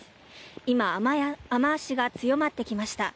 今、雨脚が強まってきました。